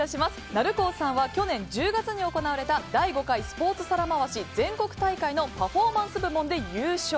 Ｎａｌｕｃｏさんは去年１０月に行われた第５回スポーツ皿回し全国大会のパフォーマンス部門で優勝。